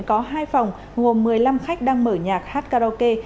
có hai phòng gồm một mươi năm khách đang mở nhạc hát karaoke